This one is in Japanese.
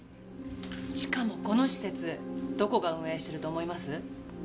しかもこの施設どこが運営してると思います？